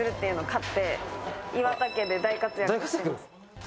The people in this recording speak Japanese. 買って、岩田家で大活躍です。